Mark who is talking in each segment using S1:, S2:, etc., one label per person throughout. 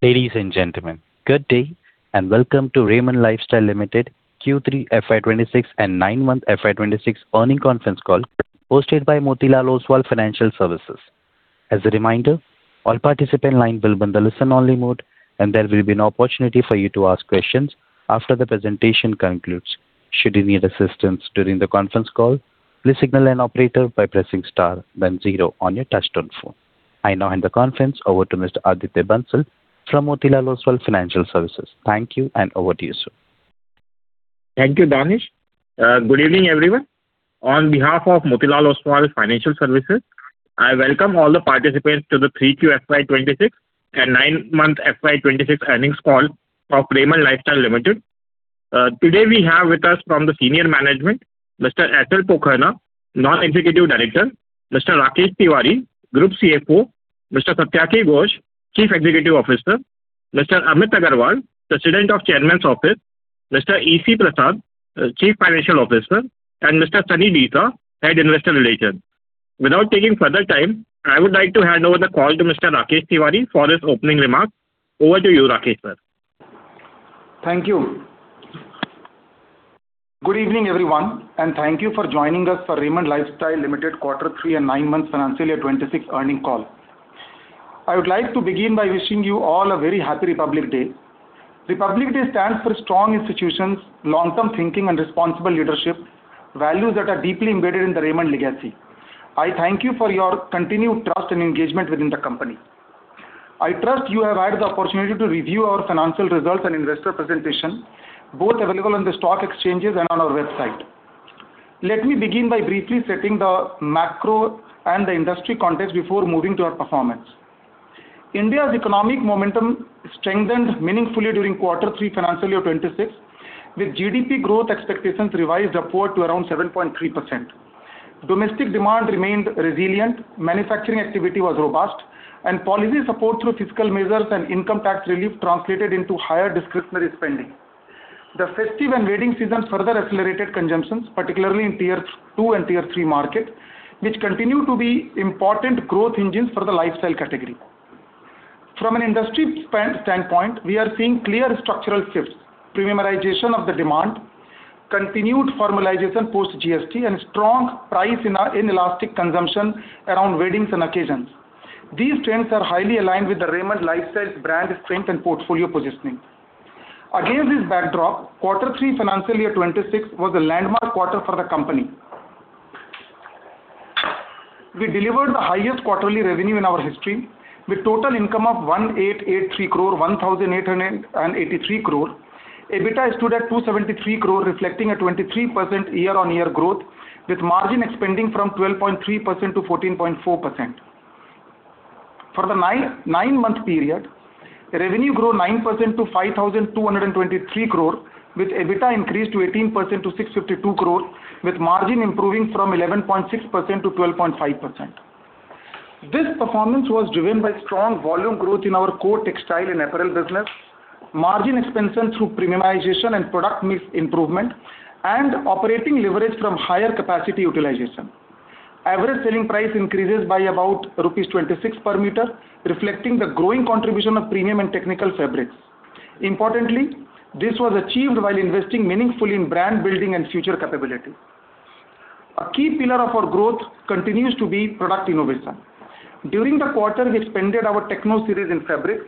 S1: Ladies and gentlemen, good day and welcome to Raymond Lifestyle Limited Q3 FY 2026 and 9M FY 2026 earnings conference call, hosted by Motilal Oswal Financial Services. As a reminder, all participants are in the listen-only mode, and there will be no opportunity for you to ask questions after the presentation concludes. Should you need assistance during the conference call, please signal an operator by pressing star, then zero on your touchtone phone. I now hand the conference over to Mr. Aditya Bansal from Motilal Oswal Financial Services. Thank you, and over to you, sir.
S2: Thank you, Danish. Good evening, everyone. On behalf of Motilal Oswal Financial Services, I welcome all the participants to the Q3 FY 2026 and 9M FY 2026 earnings call of Raymond Lifestyle Limited. Today, we have with us from the senior management, Mr. S.L. Pokharna, Non-Executive Director, Mr. Rakesh Tiwari, group CFO, Mr. Satyaki Ghosh, Chief Executive Officer, Mr. Amit Agarwal, President of Chairman's Office, Mr. E.C. Prasad, Chief Financial Officer, and Mr. Sunny Desai, Head of Investor Relations. Without taking further time, I would like to hand over the call to Mr. Rakesh Tiwari for his opening remarks. Over to you, Rakesh, sir.
S3: Thank you. Good evening, everyone, and thank you for joining us for Raymond Lifestyle Limited Q3 and 9M FY 2026 earnings call. I would like to begin by wishing you all a very happy Republic Day. Republic Day stands for strong institutions, long-term thinking, and responsible leadership, values that are deeply embedded in the Raymond legacy. I thank you for your continued trust and engagement within the company. I trust you have had the opportunity to review our financial results and investor presentation, both available on the stock exchanges and on our website. Let me begin by briefly setting the macro and the industry context before moving to our performance. India's economic momentum strengthened meaningfully during Q3 FY 2026, with GDP growth expectations revised upward to around 7.3%. Domestic demand remained resilient, manufacturing activity was robust, and policy support through fiscal measures and income tax relief translated into higher discretionary spending. The festive and wedding season further accelerated consumptions, particularly in tier two and tier three markets, which continue to be important growth engines for the lifestyle category. From an industry standpoint, we are seeing clear structural shifts: premiumization of the demand, continued formalization post-GST, and strong price inelastic consumption around weddings and occasions. These trends are highly aligned with the Raymond Lifestyle's brand strength and portfolio positioning. Against this backdrop, Q3 FY 2026 was a landmark quarter for the company. We delivered the highest quarterly revenue in our history, with total income of 1,883 crore. EBITDA stood at 273 crore, reflecting a 23% year-on-year growth, with margin expanding from 12.3% to 14.4%. For the 9-month period, revenue grew 9% to 5,223 crore, with EBITDA increased to 18% to 652 crore, with margin improving from 11.6%-12.5%. This performance was driven by strong volume growth in our core textile and apparel business, margin expansion through premiumization and product mix improvement, and operating leverage from higher capacity utilization. Average selling price increases by about rupees 26 per meter, reflecting the growing contribution of premium and technical fabrics. Importantly, this was achieved while investing meaningfully in brand building and future capabilities. A key pillar of our growth continues to be product innovation. During the quarter, we expanded our Techno Series in fabrics,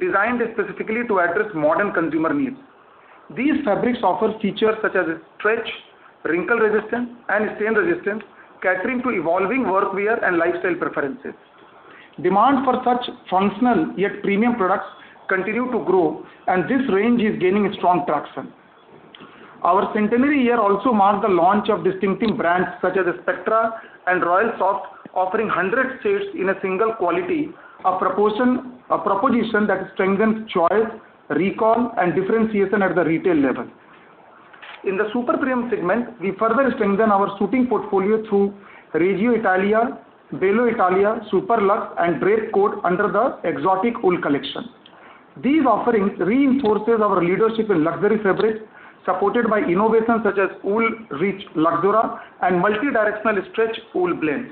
S3: designed specifically to address modern consumer needs. These fabrics offer features such as stretch, wrinkle resistance, and stain resistance, catering to evolving workwear and lifestyle preferences. Demand for such functional yet premium products continues to grow, and this range is gaining strong traction. Our centenary year also marks the launch of distinctive brands such as Spectra and Royal Soft, offering 100 shades in a single quality, a proposition that strengthens choice, recall, and differentiation at the retail level. In the super premium segment, we further strengthen our suiting portfolio through Regio Italia, Bello Italia, Super Luxe, and Drape Code under the Exotic Wool collection. These offerings reinforce our leadership in luxury fabrics, supported by innovations such as Wool Rich Luxura and multidirectional stretch wool blends.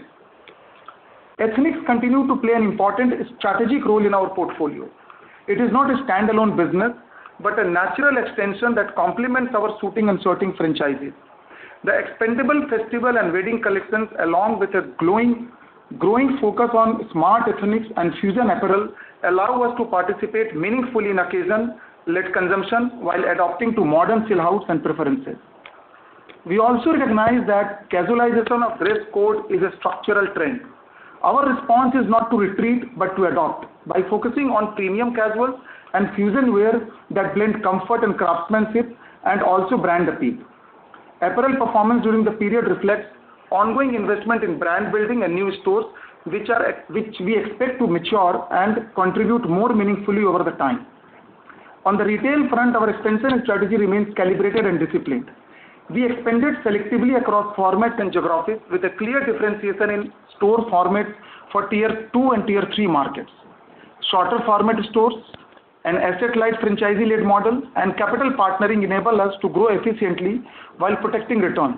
S3: Ethnix continue to play an important strategic role in our portfolio. It is not a standalone business but a natural extension that complements our suiting and shirting franchises. The Expandable festival and wedding collections, along with a growing focus on smart ethnics and fusion apparel, allow us to participate meaningfully in occasion-led consumption while adapting to modern lifestyle and preferences. We also recognize that casualization of dress code is a structural trend. Our response is not to retreat but to adapt by focusing on premium casuals and fusion wear that blend comfort and craftsmanship and also brand appeal. Apparel performance during the period reflects ongoing investment in brand building and new stores, which we expect to mature and contribute more meaningfully over time. On the retail front, our expansion strategy remains calibrated and disciplined. We expanded selectively across formats and geographies, with a clear differentiation in store formats for Tier 2 and Tier 3 markets. Shorter format stores, an asset-light franchisee-led model, and capital partnering enable us to grow efficiently while protecting returns.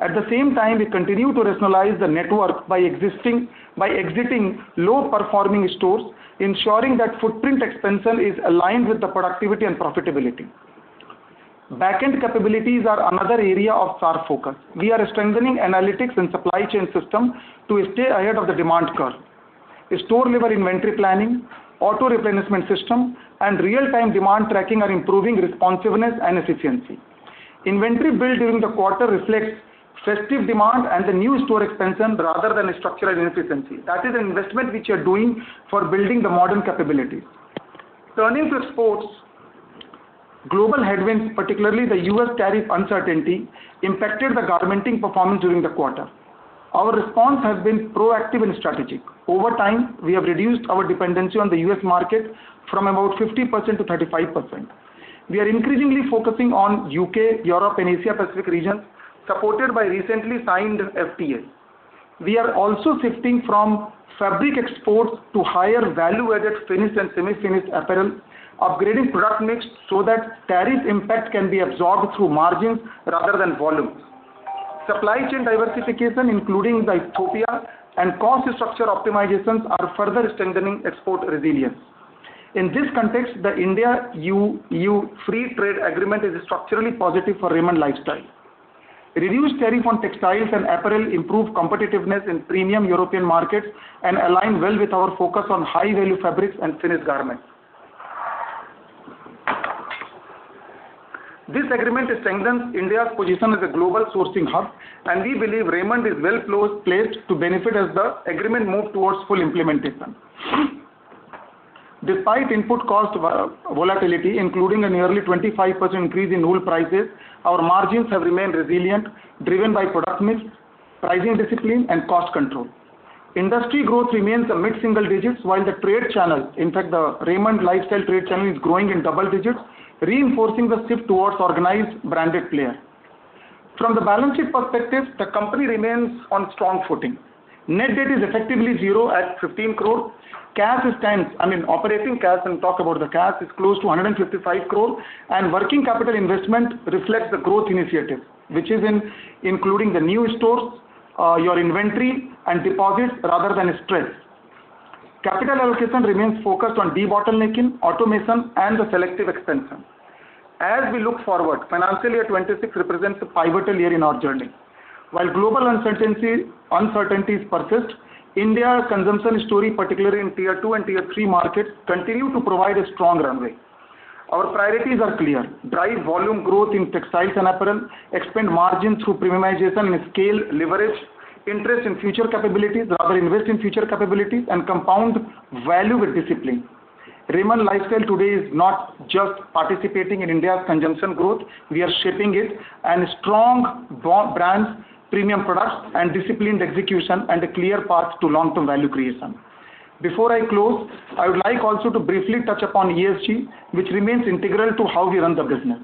S3: At the same time, we continue to rationalize the network by exiting low-performing stores, ensuring that footprint expansion is aligned with the productivity and profitability. Back-end capabilities are another area of our focus. We are strengthening analytics and supply chain systems to stay ahead of the demand curve. Store-level inventory planning, auto-replenishment system, and real-time demand tracking are improving responsiveness and efficiency. Inventory build during the quarter reflects festive demand and the new store expansion rather than structural inefficiency. That is an investment which we are doing for building the modern capabilities. Turning to exports, global headwinds, particularly the U.S. tariff uncertainty, impacted the garmenting performance during the quarter. Our response has been proactive and strategic. Over time, we have reduced our dependency on the U.S. market from about 50% to 35%. We are increasingly focusing on U.K., Europe, and Asia-Pacific regions, supported by recently signed FTAs. We are also shifting from fabric exports to higher value-added finished and semi-finished apparel, upgrading product mix so that tariff impact can be absorbed through margins rather than volumes. Supply chain diversification, including the Ethiopia and cost structure optimizations, are further strengthening export resilience. In this context, the India-EU free trade agreement is structurally positive for Raymond Lifestyle. Reduced tariffs on textiles and apparel improve competitiveness in premium European markets and align well with our focus on high-value fabrics and finished garments. This agreement strengthens India's position as a global sourcing hub, and we believe Raymond is well placed to benefit as the agreement moves towards full implementation. Despite input cost volatility, including a nearly 25% increase in wool prices, our margins have remained resilient, driven by product mix, pricing discipline, and cost control. Industry growth remains amid single digits, while the trade channel, in fact, the Raymond Lifestyle trade channel, is growing in double digits, reinforcing the shift towards organized branded player. From the balance sheet perspective, the company remains on strong footing. Net debt is effectively zero at 15 crore. Cash stands, I mean, operating cash, and talk about the cash, is close to 155 crore, and working capital investment reflects the growth initiative, which is including the new stores, your inventory, and deposits rather than stress. Capital allocation remains focused on de-bottlenecking, automation, and selective expansion. As we look forward, financial year 2026 represents a pivotal year in our journey. While global uncertainties persist, India's consumption story, particularly in tier two and tier three markets, continues to provide a strong runway. Our priorities are clear: drive volume growth in textiles and apparel, expand margin through premiumization and scale leverage, invest in future capabilities, rather invest in future capabilities, and compound value with discipline. Raymond Lifestyle today is not just participating in India's consumption growth; we are shaping it as strong brands, premium products, and disciplined execution, and a clear path to long-term value creation. Before I close, I would like also to briefly touch upon ESG, which remains integral to how we run the business.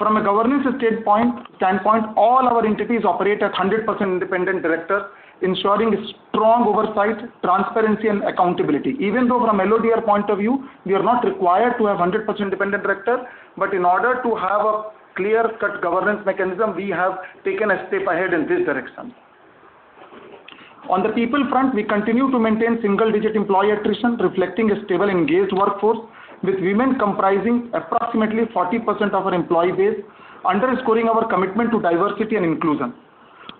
S3: From a governance standpoint, all our entities operate at 100% independent director, ensuring strong oversight, transparency, and accountability. Even though from an LODR point of view, we are not required to have 100% independent director, but in order to have a clear-cut governance mechanism, we have taken a step ahead in this direction. On the people front, we continue to maintain single-digit employee attrition, reflecting a stable, engaged workforce, with women comprising approximately 40% of our employee base, underscoring our commitment to diversity and inclusion.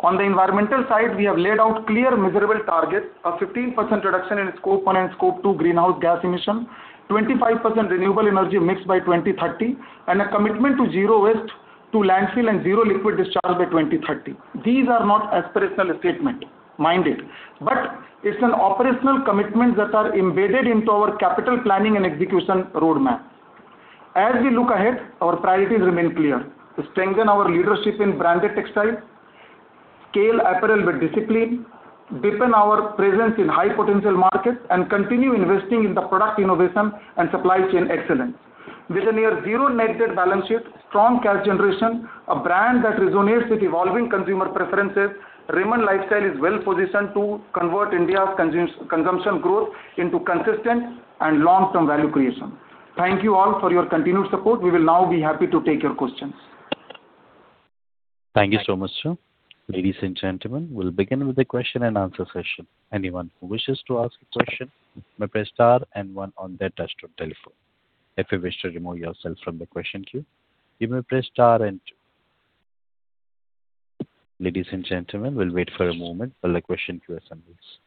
S3: On the environmental side, we have laid out clear measurable targets: a 15% reduction in Scope 1 and Scope 2 greenhouse gas emission, 25% renewable energy mix by 2030, and a commitment to zero waste to landfill and zero liquid discharge by 2030. These are not aspirational statements, mind it, but it's an operational commitment that is embedded into our capital planning and execution roadmap. As we look ahead, our priorities remain clear: strengthen our leadership in branded textiles, scale apparel with discipline, deepen our presence in high-potential markets, and continue investing in the product innovation and supply chain excellence. With a near-zero net debt balance sheet, strong cash generation, a brand that resonates with evolving consumer preferences, Raymond Lifestyle is well positioned to convert India's consumption growth into consistent and long-term value creation. Thank you all for your continued support. We will now be happy to take your questions.
S1: Thank you so much, sir. Ladies and gentlemen, we'll begin with the question and answer session. Anyone who wishes to ask a question may press star and one on their touch-tone telephone. If you wish to remove yourself from the question queue, you may press star and two. Ladies and gentlemen, we'll wait for a moment while the question queue assembles.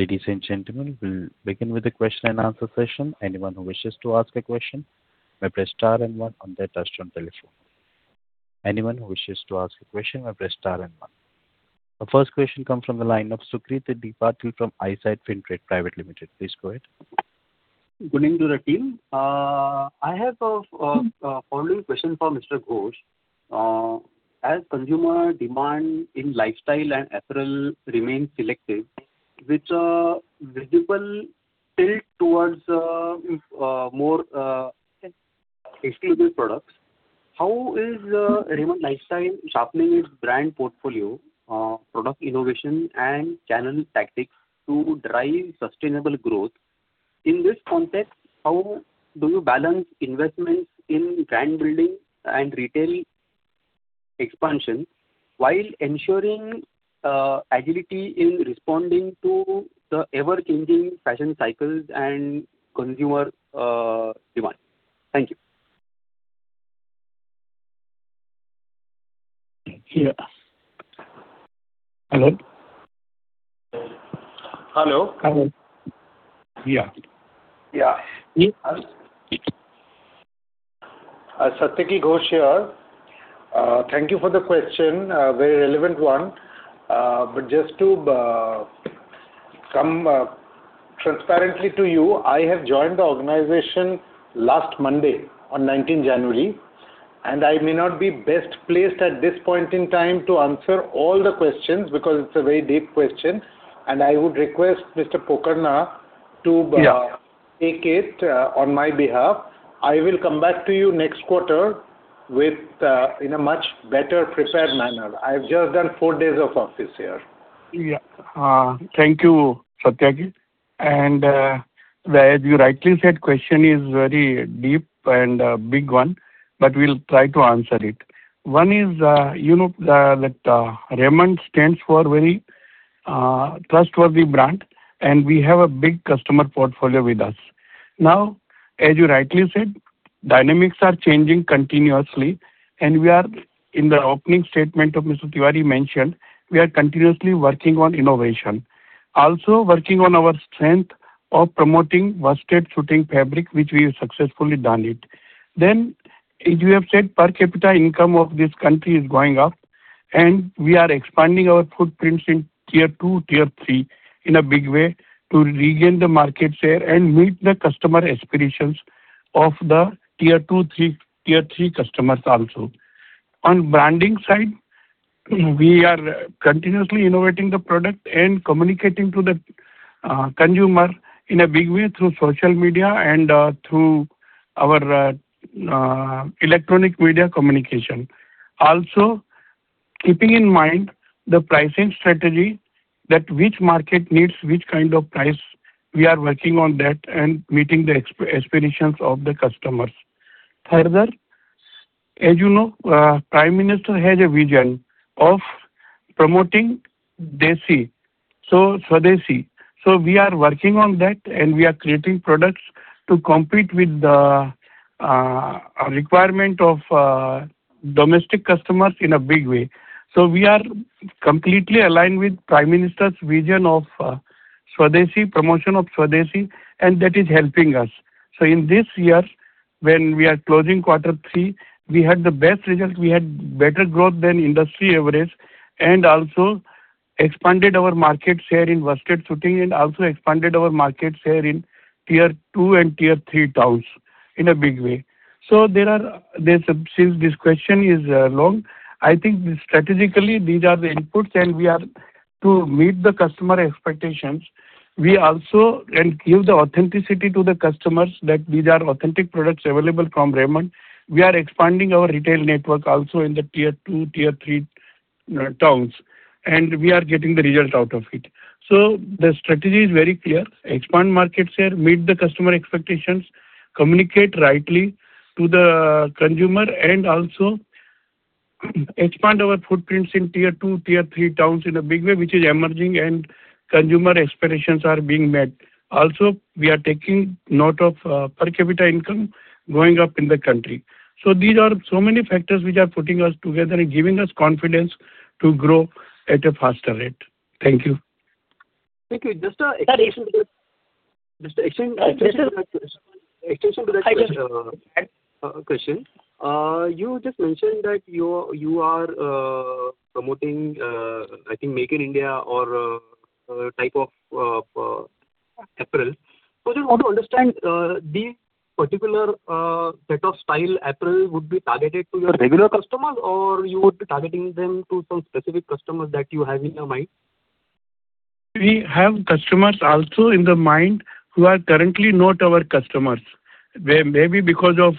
S1: Ladies and gentlemen, we'll begin with the question and answer session. Anyone who wishes to ask a question may press star and one on their touch-tone telephone. Anyone who wishes to ask a question may press star and one. Our first question comes from the line of Sukrit from Eyesight FinTrade Private Limited. Please go ahead.
S4: Good evening to the team. I have a following question for Mr. Ghosh. As consumer demand in lifestyle and apparel remains selective, with a visible tilt towards more exclusive products, how is Raymond Lifestyle sharpening its brand portfolio, product innovation, and channel tactics to drive sustainable growth? In this context, how do you balance investments in brand building and retail expansion while ensuring agility in responding to the ever-changing fashion cycles and consumer demand? Thank you.
S5: Yeah. Hello.
S4: Hello.
S5: Hello. Yeah.
S4: Yeah.
S5: Satyaki Ghosh here. Thank you for the question. Very relevant one. But just to come transparently to you, I have joined the organization last Monday, on 19 January, and I may not be best placed at this point in time to answer all the questions because it's a very deep question, and I would request Mr. Pokharna to take it on my behalf. I will come back to you next quarter in a much better prepared manner. I've just done four days of office here.
S6: Yeah. Thank you, Satyaki. And as you rightly said, the question is very deep and a big one, but we'll try to answer it. One is that Raymond stands for a very trustworthy brand, and we have a big customer portfolio with us. Now, as you rightly said, dynamics are changing continuously, and we are, in the opening statement of Mr. Tiwari mentioned, we are continuously working on innovation. Also, working on our strength of promoting worsted suiting fabric, which we have successfully done. Then, as you have said, per capita income of this country is going up, and we are expanding our footprints in tier two, tier three in a big way to regain the market share and meet the customer aspirations of the tier two, tier three customers also. On the branding side, we are continuously innovating the product and communicating to the consumer in a big way through social media and through our electronic media communication. Also, keeping in mind the pricing strategy, which market needs which kind of price, we are working on that and meeting the aspirations of the customers. Further, as you know, the Prime Minister has a vision of promoting desi, so Swadeshi. So we are working on that, and we are creating products to compete with the requirement of domestic customers in a big way. So we are completely aligned with the Prime Minister's vision of Swadeshi, promotion of Swadeshi, and that is helping us. So in this year, when we are closing quarter three, we had the best result. We had better growth than industry average and also expanded our market share in worsted suiting and also expanded our market share in tier two and tier three towns in a big way. So since this question is long, I think strategically, these are the inputs, and we are to meet the customer expectations. We also give the authenticity to the customers that these are authentic products available from Raymond. We are expanding our retail network also in the tier two, tier three towns, and we are getting the result out of it. So the strategy is very clear: expand market share, meet the customer expectations, communicate rightly to the consumer, and also expand our footprints in tier two, tier three towns in a big way, which is emerging, and consumer expectations are being met. Also, we are taking note of per capita income going up in the country. These are so many factors which are putting us together and giving us confidence to grow at a faster rate. Thank you.
S4: Thank you. Just an extension to that question. You just mentioned that you are promoting, I think, Make in India or type of apparel. So I just want to understand, this particular set of style apparel would be targeted to your regular customers, or you would be targeting them to some specific customers that you have in your mind?
S6: We have customers also in the mind who are currently not our customers, maybe because of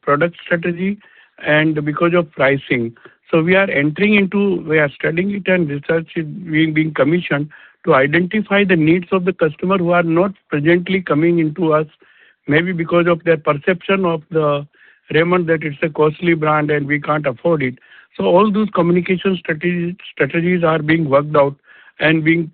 S6: product strategy and because of pricing. So we are entering into, we are studying it and researching it, being commissioned to identify the needs of the customers who are not presently coming into us, maybe because of their perception of Raymond that it's a costly brand and we can't afford it. So all those communication strategies are being worked out and being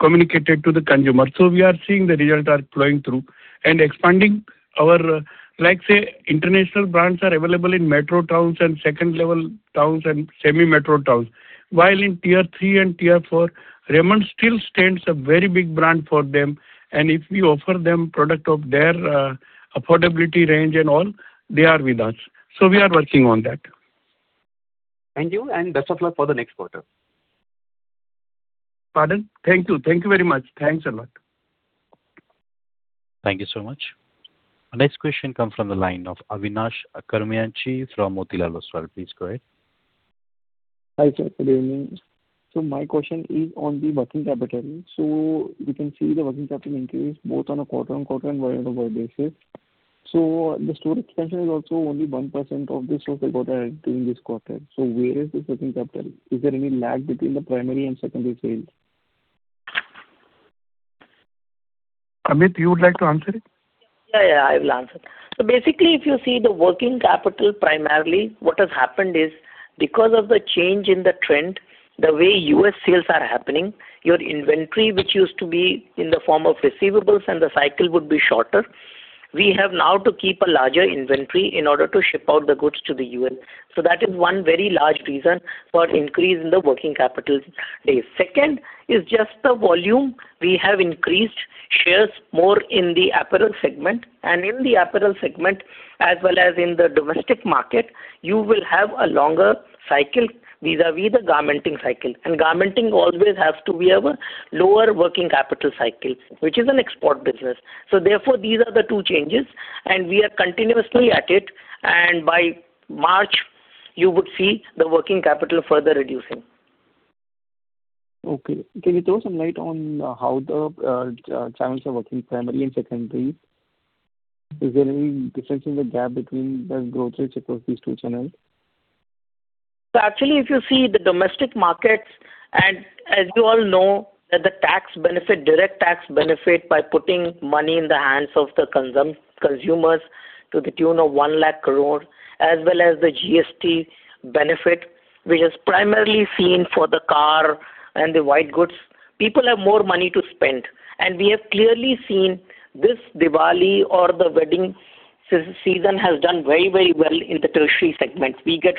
S6: communicated to the consumers. So we are seeing the results are flowing through and expanding our—like, say, international brands are available in metro towns and second-level towns and semi-metro towns, while in tier three and tier four, Raymond still stands as a very big brand for them. And if we offer them products of their affordability range and all, they are with us. So we are working on that.
S4: Thank you, and best of luck for the next quarter.
S6: Pardon? Thank you. Thank you very much. Thanks a lot.
S1: Thank you so much. Next question comes from the line of Avinash Karumanchi from Motilal Oswal. Please go ahead.
S7: Hi, sir. Good evening. So my question is on the working capital. So we can see the working capital increase both on a quarter-on-quarter and year-over-year basis. So where is the working capital? Is there any lag between the primary and secondary sales?
S6: Amit, you would like to answer it?
S8: Yeah, yeah. I will answer. So basically, if you see the working capital primarily, what has happened is because of the change in the trend, the way U.S. sales are happening, your inventory, which used to be in the form of receivables, and the cycle would be shorter, we have now to keep a larger inventory in order to ship out the goods to the U.S. So that is one very large reason for increase in the working capital days. Second is just the volume. We have increased shares more in the apparel segment, and in the apparel segment, as well as in the domestic market, you will have a longer cycle vis-à-vis the garmenting cycle. And garmenting always has to be a lower working capital cycle, which is an export business. So therefore, these are the two changes, and we are continuously at it. By March, you would see the working capital further reducing.
S7: Okay. Can you throw some light on how the channels are working, primary and secondary? Is there any difference in the gap between the growth rates across these two channels?
S8: So actually, if you see the domestic markets, and as you all know, there's the tax benefit, direct tax benefit by putting money in the hands of the consumers to the tune of 100,000 crore, as well as the GST benefit, which is primarily seen for the car and the white goods. People have more money to spend, and we have clearly seen this Diwali or the wedding season has done very, very well in the tertiary segment. We get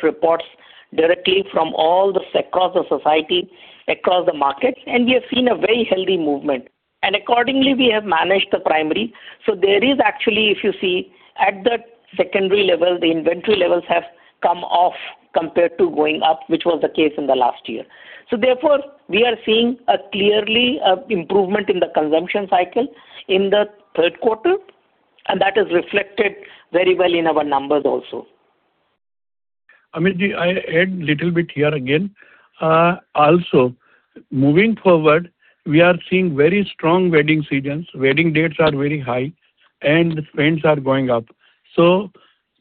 S8: reports directly from all the sectors of society across the markets, and we have seen a very healthy movement. And accordingly, we have managed the primary. So there is actually, if you see, at the secondary level, the inventory levels have come off compared to going up, which was the case in the last year. Therefore, we are seeing clearly an improvement in the consumption cycle in the third quarter, and that is reflected very well in our numbers also.
S6: Amit, I add a little bit here again. Also, moving forward, we are seeing very strong wedding seasons. Wedding dates are very high, and the trends are going up. So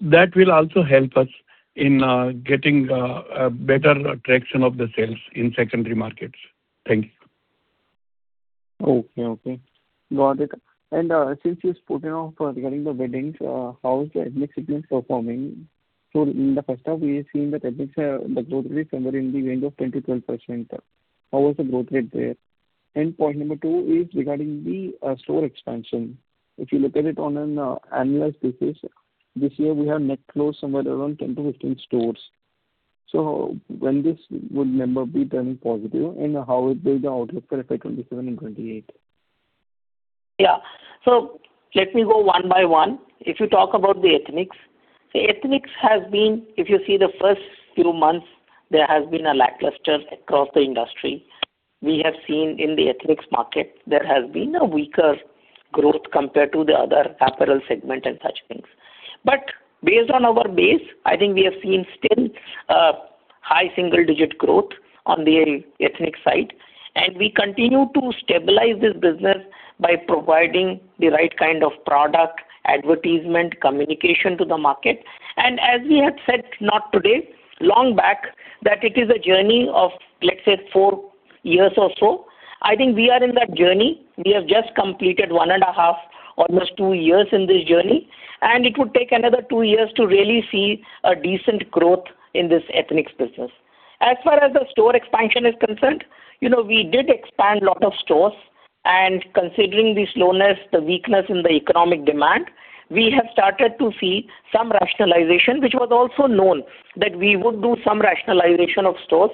S6: that will also help us in getting a better traction of the sales in secondary markets. Thank you.
S7: Okay, okay. Got it. And since you spoke of regarding the weddings, how is the ethnic segment performing? So in the first half, we have seen that the growth rate is somewhere in the range of 20%-12%. How was the growth rate there? And point number two is regarding the store expansion. If you look at it on an annual basis, this year, we have net close somewhere around 10-15 stores. So when this would number be turning positive, and how would be the outlook for FY 2027 and 2028?
S8: Yeah. So let me go one by one. If you talk about the ethnics, the ethnics has been, if you see the first few months, there has been a lackluster across the industry. We have seen in the ethnics market, there has been a weaker growth compared to the other apparel segment and such things. But based on our base, I think we have seen still high single-digit growth on the ethnic side, and we continue to stabilize this business by providing the right kind of product, advertisement, communication to the market. And as we have said not today, long back, that it is a journey of, let's say, four years or so. I think we are in that journey. We have just completed one and a half, almost two years in this journey, and it would take another two years to really see a decent growth in this ethnics business. As far as the store expansion is concerned, we did expand a lot of stores, and considering the slowness, the weakness in the economic demand, we have started to see some rationalization, which was also known that we would do some rationalization of stores.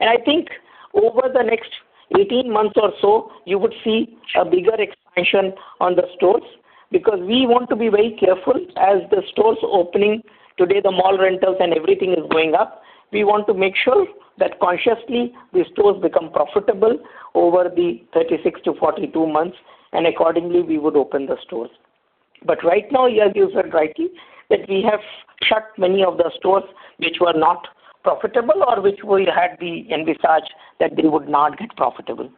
S8: I think over the next 18 months or so, you would see a bigger expansion on the stores because we want to be very careful as the stores opening. Today, the mall rentals and everything is going up. We want to make sure that consciously the stores become profitable over the 36-42 months, and accordingly, we would open the stores. Right now, you have used it rightly that we have shut many of the stores which were not profitable or which we envisage that they would not get profitable.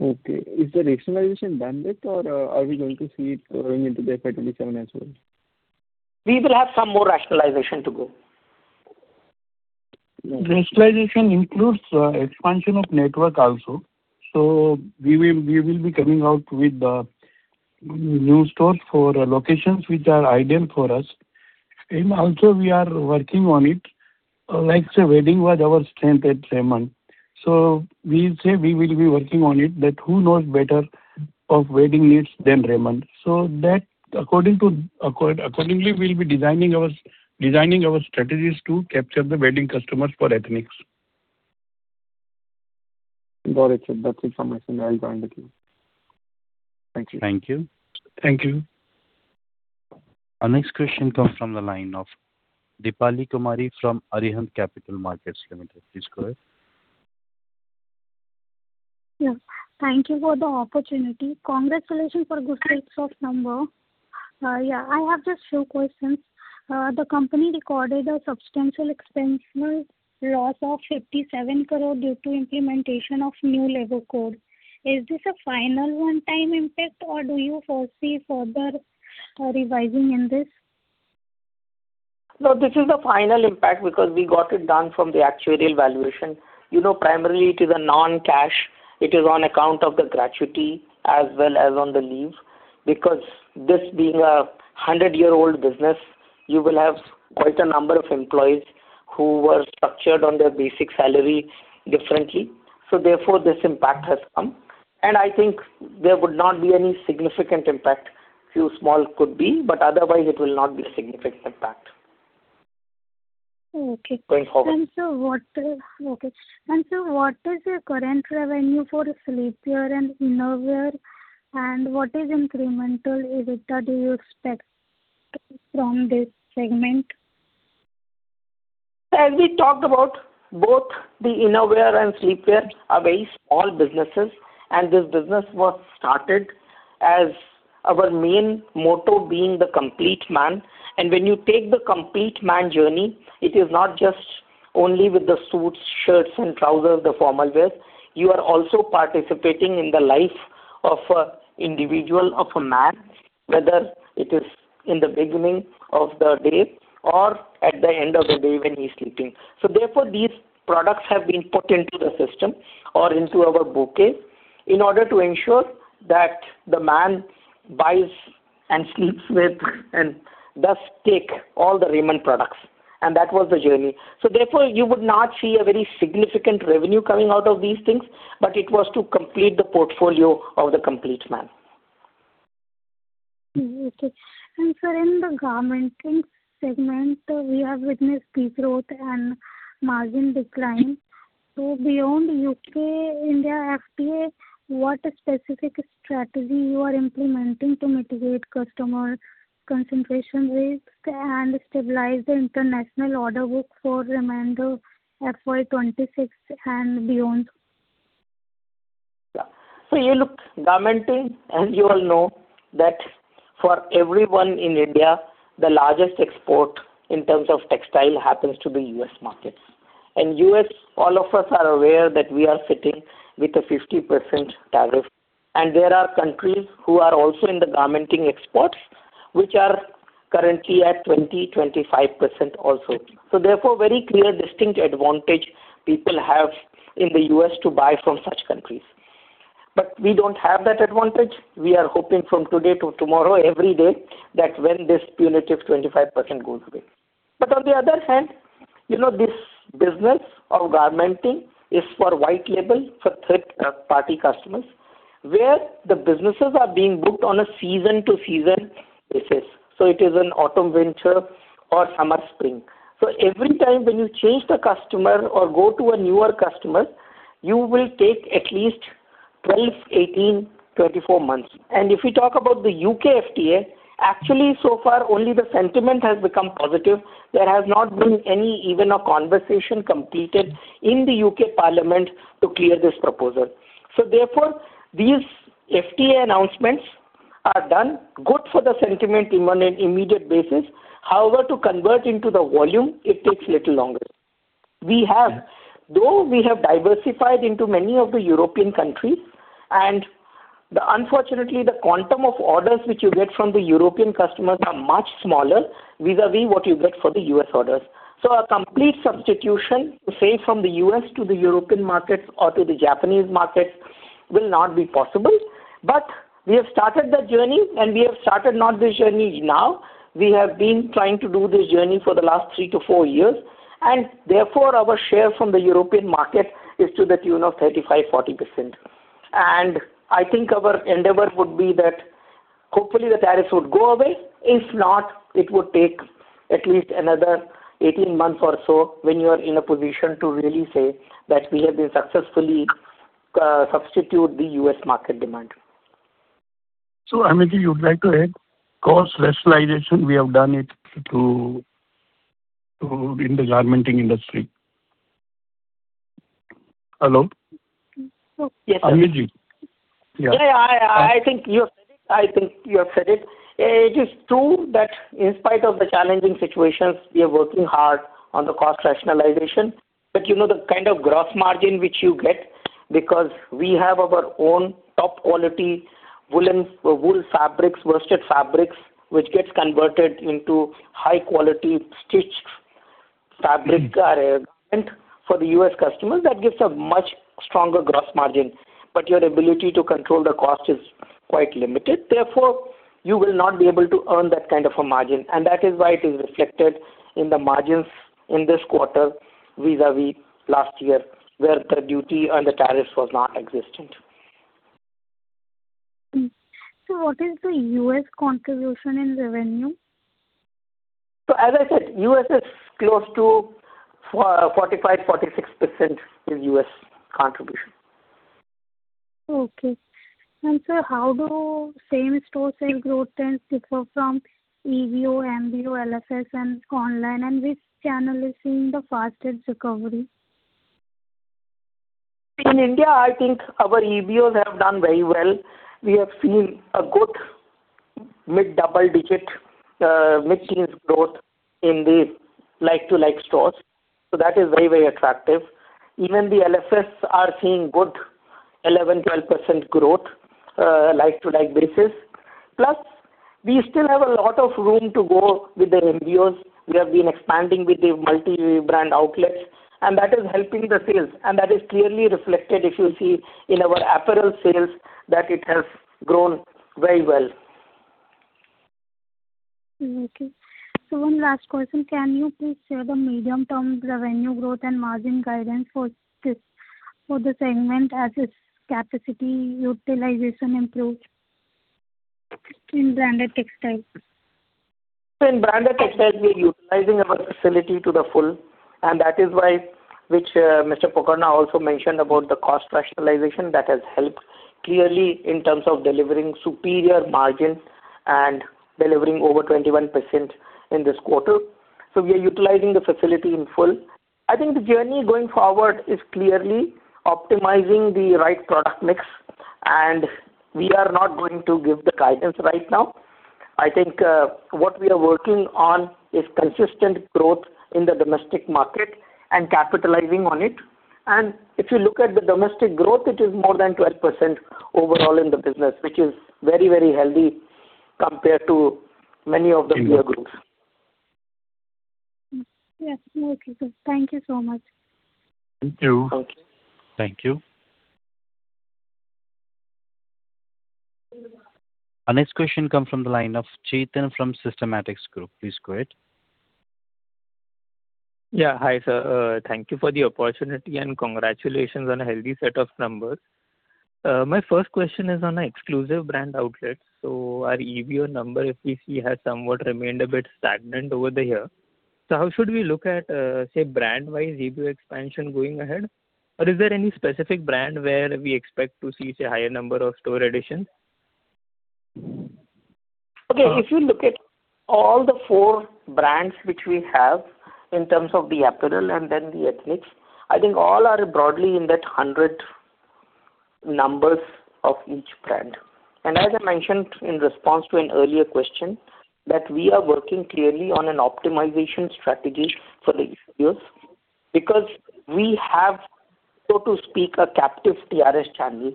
S7: Okay. Is the rationalization done yet, or are we going to see it going into the FY 2027 as well?
S8: We will have some more rationalization to go.
S6: Rationalization includes expansion of network also. So we will be coming out with the new stores for locations which are ideal for us. And also, we are working on it. Like I said, wedding was our strength at Raymond. So we say we will be working on it, but who knows better of wedding needs than Raymond? So accordingly, we'll be designing our strategies to capture the wedding customers for ethnics.
S7: Got it. That information, I'll join with you. Thank you.
S1: Thank you. Thank you. Our next question comes from the line of Deepali Kumari from Arihant Capital Markets Limited. Please go ahead.
S9: Yeah. Thank you for the opportunity. Congratulations for good sales numbers. Yeah, I have just a few questions. The company recorded a substantial exceptional loss of 57 crore due to implementation of new level code. Is this a final one-time impact, or do you foresee further revising in this?
S8: So this is the final impact because we got it done from the actuarial valuation. Primarily, it is a non-cash. It is on account of the gratuity as well as on the leave because this being a 100-year-old business, you will have quite a number of employees who were structured on their basic salary differently. So therefore, this impact has come. And I think there would not be any significant impact. Few small could be, but otherwise, it will not be a significant impact going forward.
S9: What is your current revenue for sleepwear and innerwear, and what incremental data do you expect from this segment?
S8: As we talked about, both the innerwear and sleepwear are very small businesses, and this business was started as our main motto being the complete man. And when you take the complete man journey, it is not just only with the suits, shirts, and trousers, the formal wear. You are also participating in the life of an individual, of a man, whether it is in the beginning of the day or at the end of the day when he's sleeping. So therefore, these products have been put into the system or into our bouquet in order to ensure that the man buys and sleeps with and thus take all the Raymond products. And that was the journey. So therefore, you would not see a very significant revenue coming out of these things, but it was to complete the portfolio of the complete man.
S9: Okay. And sir, in the garmenting segment, we have witnessed growth and margin decline. So beyond UK, India, FTA, what specific strategy you are implementing to mitigate customer concentration rates and stabilize the international order book for Raymond FY 26 and beyond?
S8: So you look at garmenting, as you all know, that for everyone in India, the largest export in terms of textile happens to be U.S. markets. And U.S., all of us are aware that we are sitting with a 50% tariff. And there are countries who are also in the garmenting exports, which are currently at 20%-25% also. So therefore, very clear distinct advantage people have in the U.S. to buy from such countries. But we don't have that advantage. We are hoping from today to tomorrow, every day, that when this punitive 25% goes away. But on the other hand, this business of garmenting is for white label, for third-party customers, where the businesses are being booked on a season-to-season basis. So it is an autumn winter or summer-spring. So every time when you change the customer or go to a newer customer, you will take at least 12, 18, 24 months. If we talk about the UK FTA, actually, so far, only the sentiment has become positive. There has not been even a conversation completed in the UK Parliament to clear this proposal. So therefore, these FTA announcements are done good for the sentiment on an immediate basis. However, to convert into the volume, it takes a little longer. Though we have diversified into many of the European countries, and unfortunately, the quantum of orders which you get from the European customers are much smaller vis-à-vis what you get for the US orders. A complete substitution, say, from the US to the European markets or to the Japanese markets will not be possible. We have started the journey, and we have started this journey now. We have been trying to do this journey for the last 3-4 years. Therefore, our share from the European market is to the tune of 35%-40%. I think our endeavor would be that hopefully the tariffs would go away. If not, it would take at least another 18 months or so when you are in a position to really say that we have been successfully substituted the U.S. market demand.
S6: So, Amit, you would like to add cause rationalization we have done it in the garmenting industry? Hello?
S8: Yes, sir.
S6: Amitji?
S8: Yeah. I think you have said it. I think you have said it. It is true that in spite of the challenging situations, we are working hard on the cost rationalization. But the kind of gross margin which you get because we have our own top-quality wool fabrics, worsted fabrics, which gets converted into high-quality stitch fabric for the U.S. customers, that gives a much stronger gross margin. But your ability to control the cost is quite limited. Therefore, you will not be able to earn that kind of a margin. And that is why it is reflected in the margins in this quarter vis-à-vis last year, where the duty and the tariffs were not existent.
S9: What is the U.S. contribution in revenue?
S8: So as I said, U.S. is close to 45%-46% is U.S. contribution.
S9: Okay. Sir, how do same-store sales growth trends differ from EBO, MBO, LFS, and online? Which channel is seeing the fastest recovery?
S8: In India, I think our EBOs have done very well. We have seen a good mid-double-digit mixing growth in the like-to-like stores. So that is very, very attractive. Even the LFS are seeing good 11%-12% growth like-to-like basis. Plus, we still have a lot of room to go with the MBOs. We have been expanding with the multi-brand outlets, and that is helping the sales. And that is clearly reflected, if you see, in our apparel sales that it has grown very well.
S9: Okay. So one last question. Can you please share the medium-term revenue growth and margin guidance for the segment as its capacity utilization improves in branded textiles?
S8: So in branded textiles, we are utilizing our facility to the full. And that is why, which Mr. Pokharna also mentioned about the cost rationalization that has helped clearly in terms of delivering superior margin and delivering over 21% in this quarter. So we are utilizing the facility in full. I think the journey going forward is clearly optimizing the right product mix. And we are not going to give the guidance right now. I think what we are working on is consistent growth in the domestic market and capitalizing on it. And if you look at the domestic growth, it is more than 12% overall in the business, which is very, very healthy compared to many of the peer groups.
S9: Yes. Okay. Thank you so much.
S6: Thank you.
S1: Thank you. Our next question comes from the line of Chetan from Systematix Group. Please go ahead.
S10: Yeah. Hi, sir. Thank you for the opportunity and congratulations on a healthy set of numbers. My first question is on exclusive brand outlets. So our EBO number, if we see, has somewhat remained a bit stagnant over the year. So how should we look at, say, brand-wise EBO expansion going ahead? Or is there any specific brand where we expect to see a higher number of store additions?
S8: Okay. If you look at all the four brands which we have in terms of the apparel and then the ethnics, I think all are broadly in that 100 numbers of each brand. And as I mentioned in response to an earlier question, that we are working clearly on an optimization strategy for the EBOs because we have, so to speak, a captive TRS channel.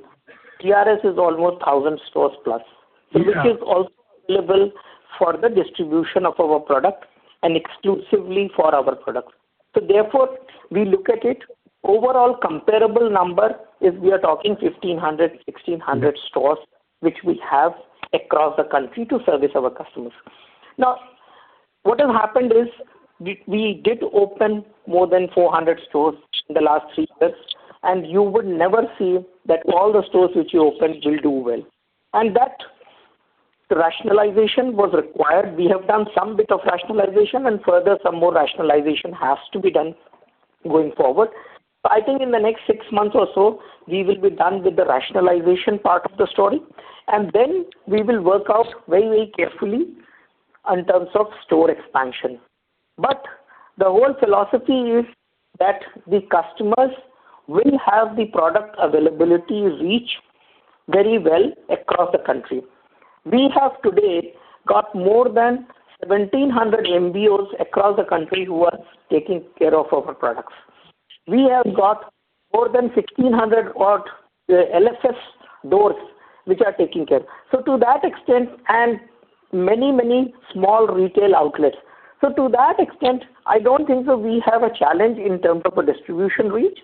S8: TRS is almost 1,000 stores plus. So which is also available for the distribution of our product and exclusively for our products. So therefore, we look at it overall comparable number if we are talking 1,500-1,600 stores which we have across the country to service our customers. Now, what has happened is we did open more than 400 stores in the last three years, and you would never see that all the stores which you opened will do well. And that rationalization was required. We have done some bit of rationalization, and further, some more rationalization has to be done going forward. So I think in the next six months or so, we will be done with the rationalization part of the story. Then we will work out very, very carefully in terms of store expansion. But the whole philosophy is that the customers will have the product availability reach very well across the country. We have today got more than 1,700 MBOs across the country who are taking care of our products. We have got more than 1,500 LFS doors which are taking care. So to that extent and many, many small retail outlets. So to that extent, I don't think we have a challenge in terms of the distribution reach.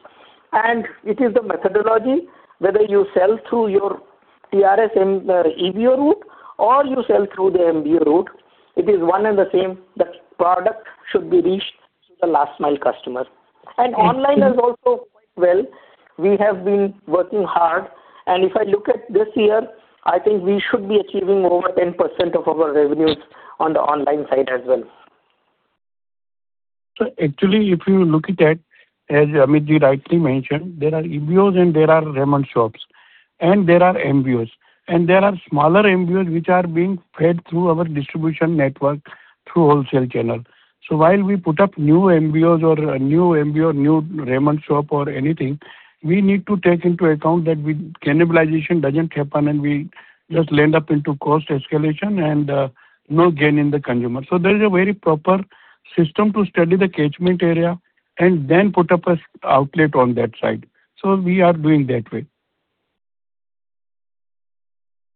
S8: It is the methodology, whether you sell through your TRS EBO route or you sell through the MBO route, it is one and the same. The product should be reached to the last-mile customer. Online has also worked well. We have been working hard. If I look at this year, I think we should be achieving over 10% of our revenues on the online side as well.
S6: So actually, if you look at, as Amitji rightly mentioned, there are EBOs and there are Raymond shops, and there are MBOs. And there are smaller MBOs which are being fed through our distribution network through wholesale channel. So while we put up new MBOs or new MBO, new Raymond shop or anything, we need to take into account that cannibalization doesn't happen, and we just land up into cost escalation and no gain in the consumer. So there is a very proper system to study the catchment area and then put up an outlet on that side. So we are doing that way.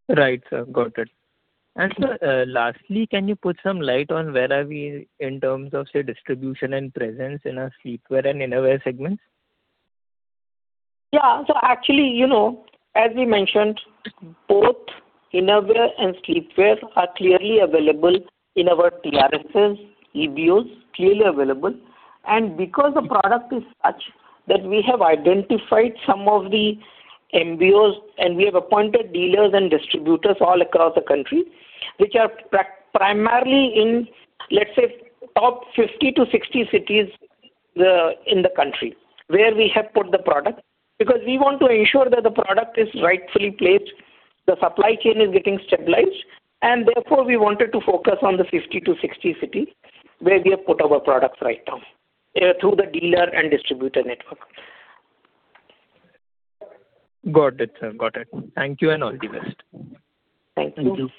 S10: Right, sir. Got it. And sir, lastly, can you put some light on where are we in terms of, say, distribution and presence in our sleepwear and innerwear segments?
S8: Yeah. So actually, as we mentioned, both innerwear and sleepwear are clearly available in our TRSs, EBOs, clearly available. And because the product is such that we have identified some of the MBOs, and we have appointed dealers and distributors all across the country, which are primarily in, let's say, top 50-60 cities in the country where we have put the product because we want to ensure that the product is rightfully placed, the supply chain is getting stabilized. And therefore, we wanted to focus on the 50-60 cities where we have put our products right now through the dealer and distributor network.
S10: Got it, sir. Got it. Thank you and all the best.
S8: Thank you.
S6: Thank you.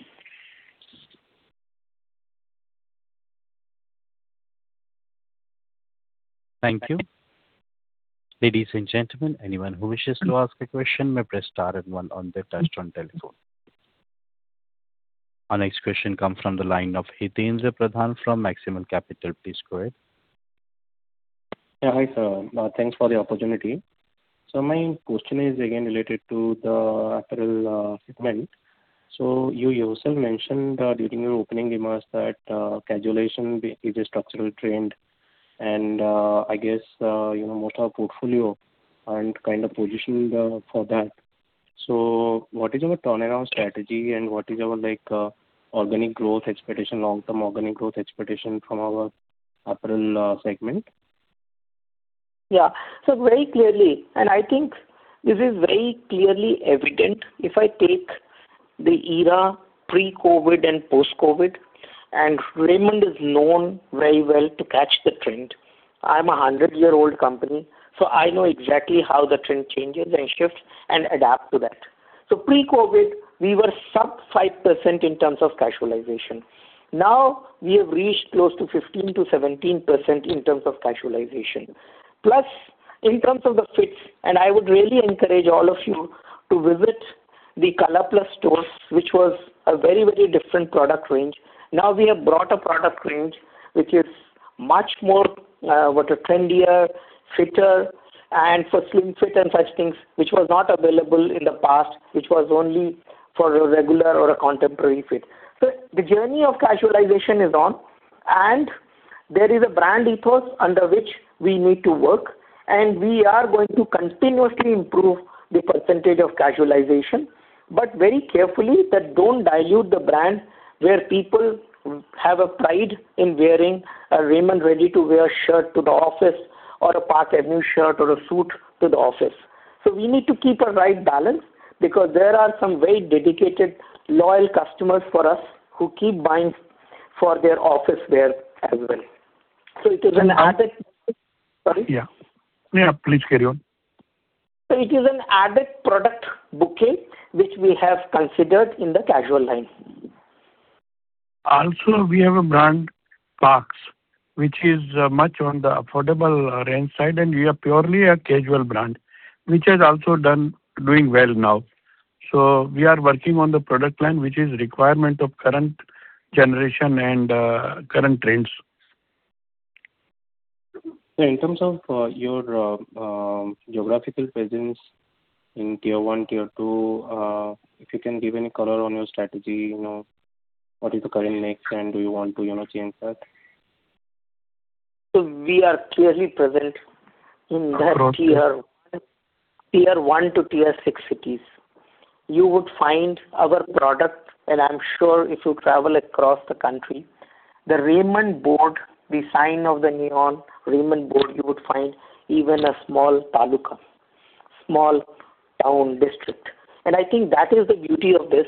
S1: Thank you. Ladies and gentlemen, anyone who wishes to ask a question may press star and one on the touchtone telephone. Our next question comes from the line of Hiten Pradhan from Maximum Capital. Please go ahead.
S11: Yeah, hi, sir. Thanks for the opportunity. So my question is again related to the apparel segment. So you yourself mentioned during your opening remarks that casualization is a structural trend. And I guess most of our portfolio aren't kind of positioned for that. So what is our turnaround strategy and what is our organic growth expectation, long-term organic growth expectation from our apparel segment?
S8: Yeah. So very clearly, and I think this is very clearly evident if I take the era pre-COVID and post-COVID. Raymond is known very well to catch the trend. I'm a 100-year-old company. So I know exactly how the trend changes and shifts and adapts to that. So pre-COVID, we were sub-5% in terms of casualization. Now, we have reached close to 15%-17% in terms of casualization. Plus, in terms of the fits, and I would really encourage all of you to visit the ColorPlus stores, which was a very, very different product range. Now, we have brought a product range which is much more trendier, fitter, and for slim fit and such things, which was not available in the past, which was only for a regular or a contemporary fit. So the journey of casualization is on. There is a brand ethos under which we need to work. We are going to continuously improve the percentage of casualization. But very carefully that don't dilute the brand where people have a pride in wearing a Raymond ready-to-wear shirt to the office or a Park Avenue shirt or a suit to the office. So we need to keep a right balance because there are some very dedicated, loyal customers for us who keep buying for their office wear as well. So it is an added—sorry?
S6: Yeah. Yeah. Please carry on.
S8: It is an added product bouquet which we have considered in the casual line.
S6: Also, we have a brand, Parx, which is much on the affordable range side. We are purely a casual brand, which has also been doing well now. We are working on the product line, which is requirement of current generation and current trends.
S11: In terms of your geographical presence in Tier 1, Tier 2, if you can give any color on your strategy, what is the current mix, and do you want to change that?
S8: So we are clearly present in that tier one, tier one to tier six cities. You would find our product, and I'm sure if you travel across the country, the Raymond board, the sign of the neon Raymond board, you would find even a small taluka, small town district. And I think that is the beauty of this,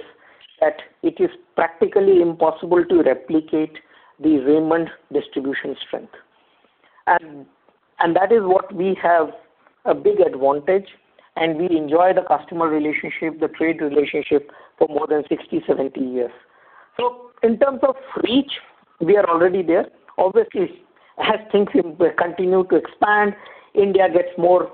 S8: that it is practically impossible to replicate the Raymond distribution strength. And that is what we have a big advantage. And we enjoy the customer relationship, the trade relationship for more than 60, 70 years. So in terms of reach, we are already there. Obviously, as things continue to expand, India gets more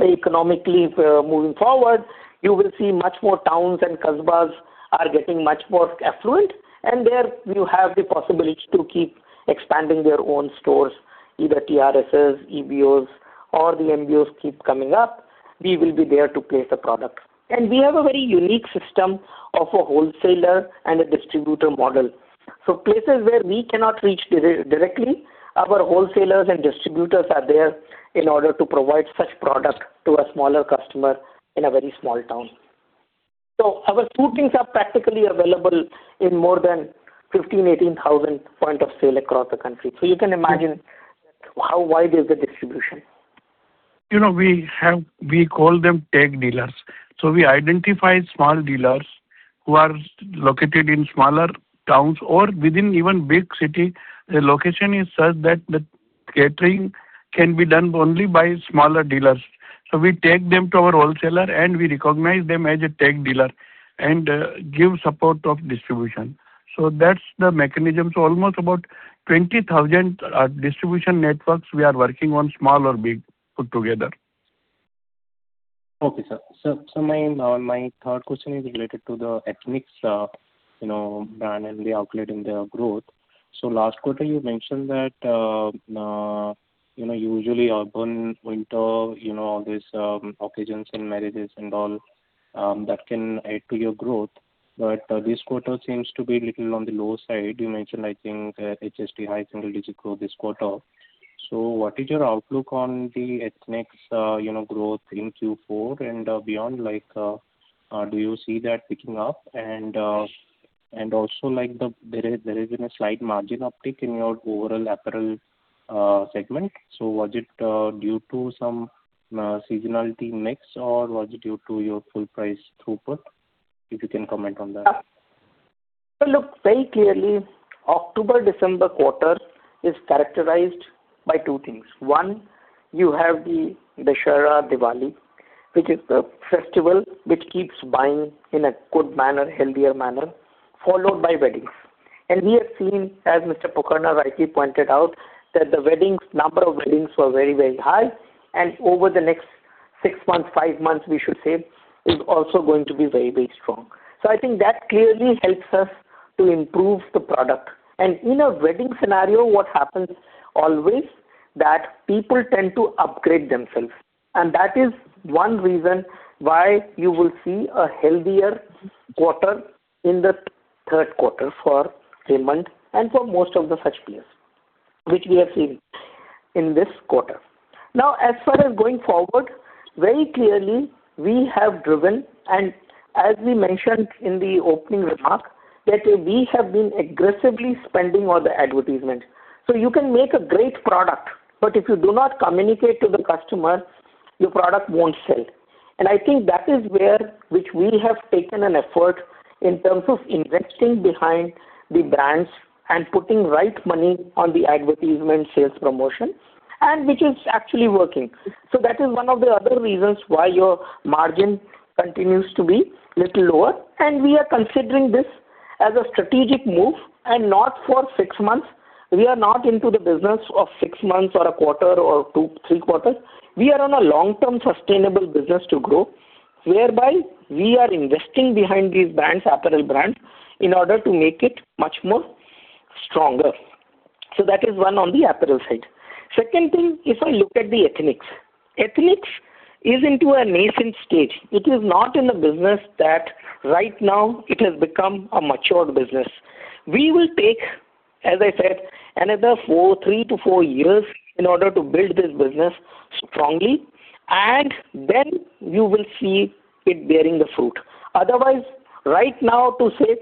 S8: economically moving forward, you will see much more towns and kasbas are getting much more affluent. And there, you have the possibility to keep expanding your own stores, either TRSs, EBOs, or the MBOs keep coming up. We will be there to place the product. We have a very unique system of a wholesaler and a distributor model. Places where we cannot reach directly, our wholesalers and distributors are there in order to provide such product to a smaller customer in a very small town. Our suitings are practically available in more than 15-18,000 points of sale across the country. You can imagine how wide is the distribution.
S6: We call them tech dealers. So we identify small dealers who are located in smaller towns or within even big city. The location is such that the catering can be done only by smaller dealers. So we take them to our wholesaler, and we recognize them as a tech dealer and give support of distribution. So that's the mechanism. So almost about 20,000 distribution networks we are working on, small or big, put together.
S11: Okay, sir. So my third question is related to the Ethnix brand and the outlet and the growth. So last quarter, you mentioned that usually urban, winter, all these occasions and marriages and all that can add to your growth. But this quarter seems to be a little on the low side. You mentioned, I think, it's high single-digit growth this quarter. So what is your outlook on the Ethnix growth in Q4 and beyond? Do you see that picking up? And also, there has been a slight margin uptick in your overall apparel segment. So was it due to some seasonality mix, or was it due to your full-price throughput? If you can comment on that.
S8: So look, very clearly, October-December quarter is characterized by two things. One, you have the Dussehra Diwali, which is the festival which keeps buying in a good manner, healthier manner, followed by weddings. And we have seen, as Mr. Pokharna pointed out, that the number of weddings were very, very high. And over the next six months, five months, we should say, is also going to be very, very strong. So I think that clearly helps us to improve the product. And in a wedding scenario, what happens always is that people tend to upgrade themselves. And that is one reason why you will see a healthier quarter in the third quarter for Raymond and for most of the such players, which we have seen in this quarter. Now, as far as going forward, very clearly, we have driven, and as we mentioned in the opening remark, that we have been aggressively spending on the advertisement. So you can make a great product, but if you do not communicate to the customer, your product won't sell. And I think that is where which we have taken an effort in terms of investing behind the brands and putting right money on the advertisement sales promotion, and which is actually working. So that is one of the other reasons why your margin continues to be a little lower. And we are considering this as a strategic move and not for 6 months. We are not into the business of 6 months or a quarter or 3 quarters. We are on a long-term sustainable business to grow, whereby we are investing behind these brands, apparel brands, in order to make it much more stronger. So that is one on the apparel side. Second thing, if I look at the ethnics, ethnics is into a nascent stage. It is not in a business that right now it has become a matured business. We will take, as I said, another three to four years in order to build this business strongly, and then you will see it bearing the fruit. Otherwise, right now to say,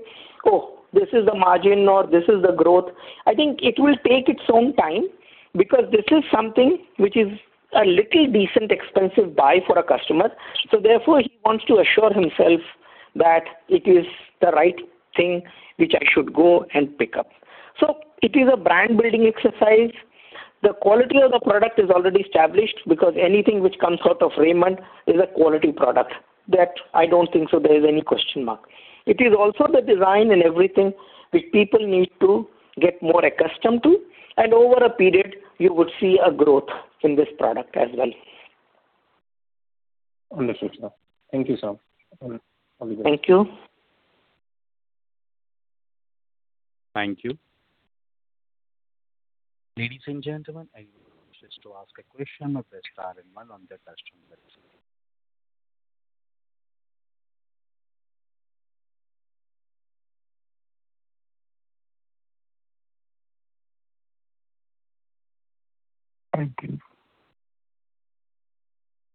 S8: "Oh, this is the margin," or "This is the growth," I think it will take its own time because this is something which is a little decently expensive buy for a customer. So therefore, he wants to assure himself that it is the right thing which I should go and pick up. It is a brand-building exercise. The quality of the product is already established because anything which comes out of Raymond is a quality product that I don't think, so there is any question mark. It is also the design and everything which people need to get more accustomed to. Over a period, you would see a growth in this product as well.
S11: Understood, sir. Thank you, sir.
S8: Thank you.
S1: Thank you. Ladies and gentlemen, I would like to ask a question of Management on the customer side.
S6: Thank you.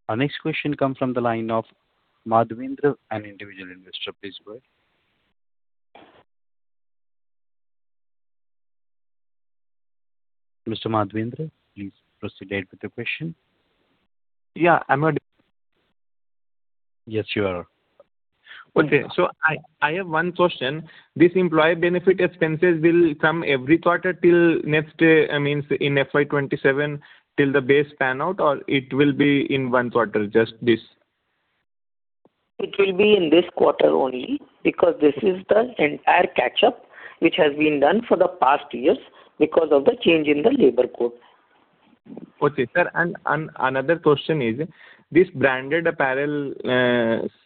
S1: Our next question comes from the line of Madhvendra, an individual investor. Please go ahead. Mr. Madhvendra, please proceed ahead with the question.
S12: Yeah. I'm going to.
S1: Yes, you are.
S12: Okay. So I have one question. This employee benefit expenses will come every quarter till next, I mean, in FY 2027 till the base pans out, or it will be in one quarter, just this?
S8: It will be in this quarter only because this is the entire catch-up which has been done for the past years because of the change in the labor code.
S12: Okay, sir. Another question is, this branded apparel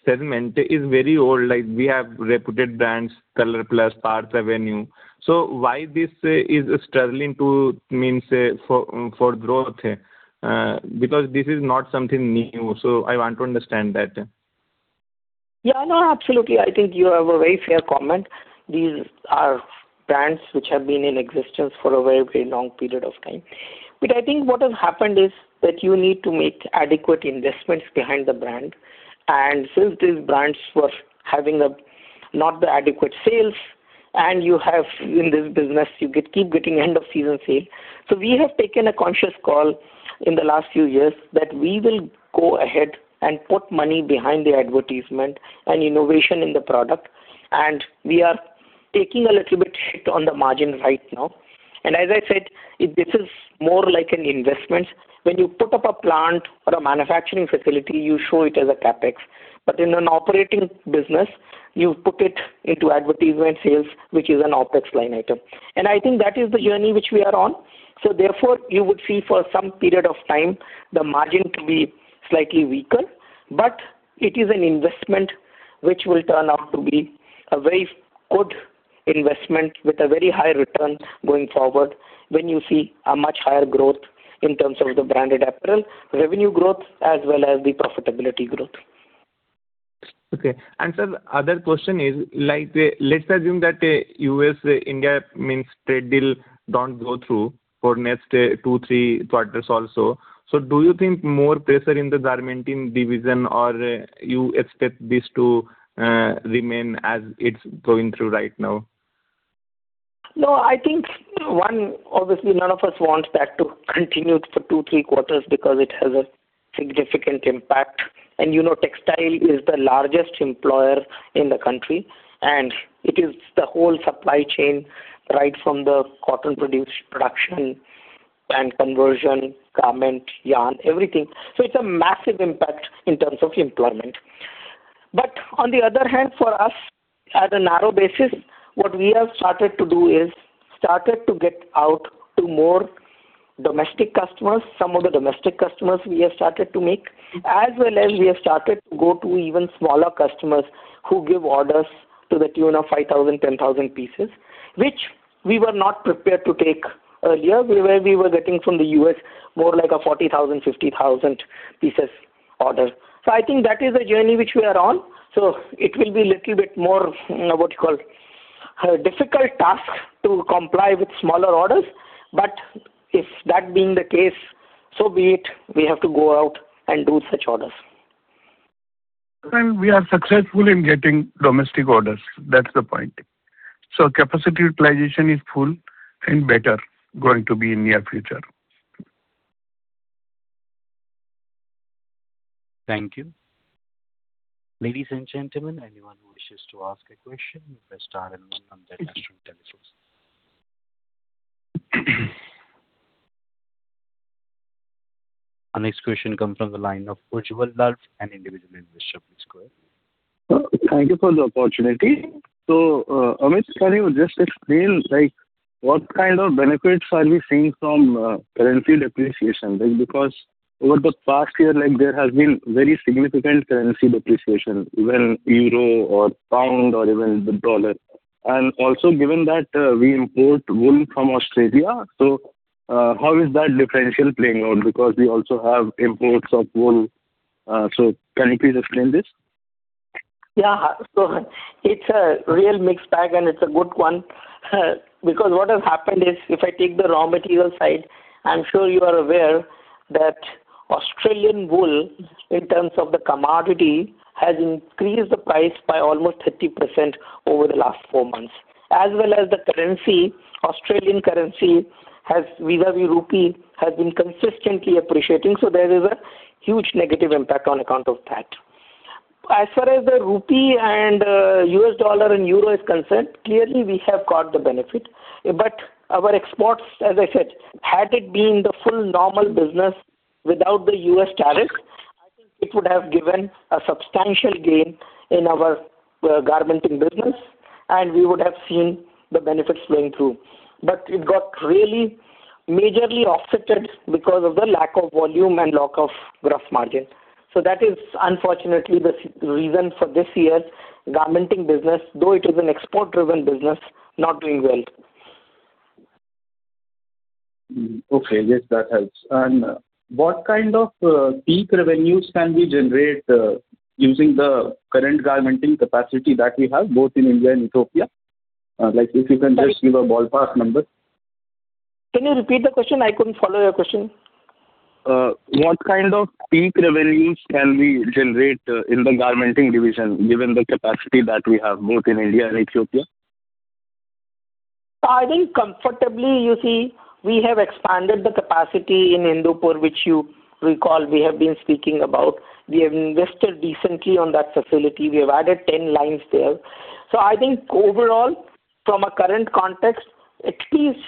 S12: segment is very old. We have reputed brands, ColorPlus, Park Avenue. So why is this struggling to maintain growth? Because this is not something new. So I want to understand that.
S8: Yeah, no, absolutely. I think you have a very fair comment. These are brands which have been in existence for a very, very long period of time. But I think what has happened is that you need to make adequate investments behind the brand. And since these brands were having not the adequate sales, and you have in this business, you keep getting end-of-season sale. So we have taken a conscious call in the last few years that we will go ahead and put money behind the advertisement and innovation in the product. And we are taking a little bit hit on the margin right now. And as I said, this is more like an investment. When you put up a plant or a manufacturing facility, you show it as a CapEx. But in an operating business, you put it into advertisement sales, which is an OpEx line item. I think that is the journey which we are on. So therefore, you would see for some period of time, the margin to be slightly weaker. But it is an investment which will turn out to be a very good investment with a very high return going forward when you see a much higher growth in terms of the branded apparel, revenue growth, as well as the profitability growth.
S12: Okay. And sir, the other question is, let's assume that U.S.-India trade deal don't go through for next two, three quarters also. So do you think more pressure in the Garmenting Division, or you expect this to remain as it's going through right now?
S8: No, I think one, obviously, none of us wants that to continue for two, three quarters because it has a significant impact. And textile is the largest employer in the country. And it is the whole supply chain, right from the cotton production and conversion, garment, yarn, everything. So it's a massive impact in terms of employment. But on the other hand, for us, at a narrow basis, what we have started to do is started to get out to more domestic customers, some of the domestic customers we have started to make, as well as we have started to go to even smaller customers who give orders to the tune of 5,000, 10,000 pieces, which we were not prepared to take earlier. We were getting from the U.S. more like a 40,000-50,000 pieces order. So I think that is a journey which we are on. It will be a little bit more, what you call, difficult task to comply with smaller orders. If that being the case, so be it. We have to go out and do such orders.
S6: We are successful in getting domestic orders. That's the point. So capacity utilization is full and better going to be in near future.
S1: Thank you. Ladies and gentlemen, anyone who wishes to ask a question, Mr. Raman on the telephone. Our next question comes from the line of Ujjwala, an individual investor. Please go ahead.
S13: Thank you for the opportunity. So Amit, can you just explain what kind of benefits are we seeing from currency depreciation? Because over the past year, there has been very significant currency depreciation, even euro or pound or even the dollar. And also, given that we import wool from Australia, so how is that differential playing out? Because we also have imports of wool. So can you please explain this?
S8: Yeah. So it's a real mixed bag, and it's a good one. Because what has happened is, if I take the raw material side, I'm sure you are aware that Australian wool, in terms of the commodity, has increased the price by almost 30% over the last four months. As well as the currency, Australian currency, vis-à-vis rupee, has been consistently appreciating. So there is a huge negative impact on account of that. As far as the rupee and US dollar and euro is concerned, clearly, we have caught the benefit. But our exports, as I said, had it been the full normal business without the US tariff, I think it would have given a substantial gain in our garmenting business, and we would have seen the benefits playing through. But it got really majorly offset because of the lack of volume and lack of gross margin. That is, unfortunately, the reason for this year's garmenting business, though it is an export-driven business, not doing well.
S13: Okay. Yes, that helps. And what kind of peak revenues can we generate using the current garmenting capacity that we have, both in India and Ethiopia? If you can just give a ballpark number.
S8: Can you repeat the question? I couldn't follow your question.
S13: What kind of peak revenues can we generate in the garmenting division, given the capacity that we have, both in India and Ethiopia?
S8: So I think comfortably, you see, we have expanded the capacity in Hindupur, which you recall we have been speaking about. We have invested decently on that facility. We have added 10 lines there. So I think overall, from a current context, at least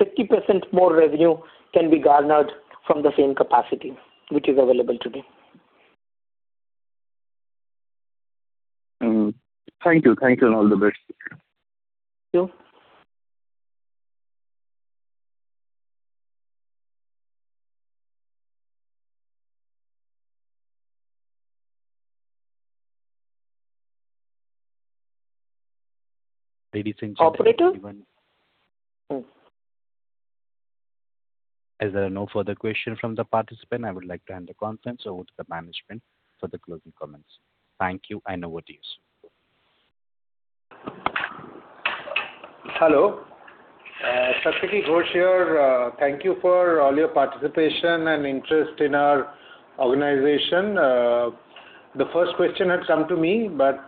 S8: 50% more revenue can be garnered from the same capacity, which is available today.
S13: Thank you. Thank you, and all the best.
S8: Thank you.
S1: Ladies and gentlemen.
S8: Operator?
S1: Is there no further question from the participant? I would like to hand the conference over to the management for the closing comments. Thank you. I know what it is.
S5: Hello. Satyaki Ghosh here. Thank you for all your participation and interest in our organization. The first question had come to me, but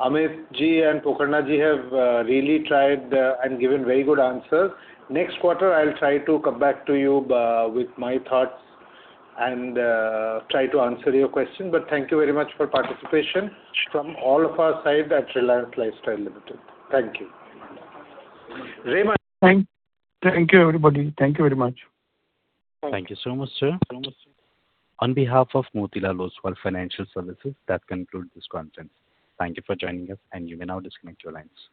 S5: Amitji and Pokharnaji have really tried and given very good answers. Next quarter, I'll try to come back to you with my thoughts and try to answer your question. But thank you very much for participation from all of our side at Raymond Lifestyle Limited. Thank you. Raymond.
S6: Thank you, everybody. Thank you very much.
S1: Thank you so much, sir. On behalf of Motilal Oswal Financial Services, that concludes this conference. Thank you for joining us, and you may now disconnect your lines.